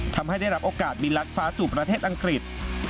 ทำให้ได้รับโอกาสบินลัดฟ้าสู่ประเทศอังกฤษ